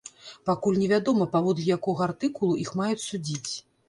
Пакуль невядома, паводле якога артыкулу іх маюць судзіць.